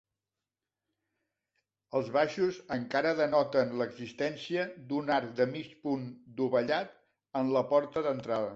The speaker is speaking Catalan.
Els baixos encara denoten l'existència d'un arc de mig punt dovellat en la porta d'entrada.